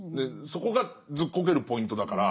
そこがずっこけるポイントだから。